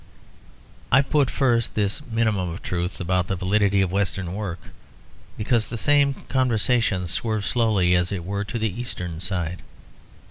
I put first this minimum of truth about the validity of Western work because the same conversation swerved slowly, as it were, to the Eastern side.